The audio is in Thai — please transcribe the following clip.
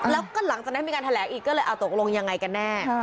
แล้วก็กันหลังจะได้มีการแถลกอีกก็เลยตกลงอย่างไรกันแน่